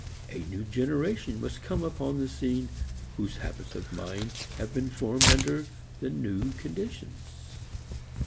A new generation must come upon the scene whose habits of mind have been formed under the new conditions.